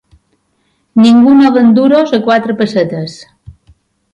Ningú no ven duros a quatre pessetes.